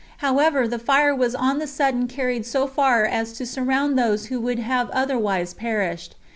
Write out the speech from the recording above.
However, the fire was on the sudden carried so far as to surround those who would have otherwise perished.